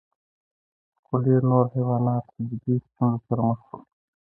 خو ډېر نور حیوانات جدي ستونزو سره مخ شول.